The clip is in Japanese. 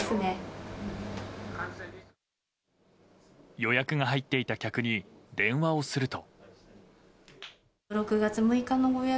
予約が入っていた客に電話をすると。